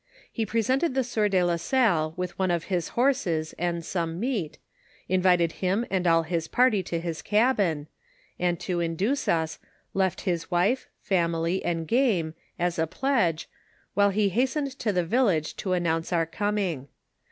He presented the sieur de la Salle with one of his horses and some meat, invited him and all his party to his cabin ; and to induce us, left his wife, family, and game, as a pledge, whil^ he hastened to the village to announce our coming.